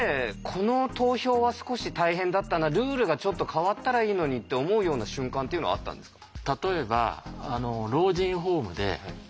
この投票は少し大変だったなルールがちょっと変わったらいいのにって思うような瞬間っていうのはあったんですか？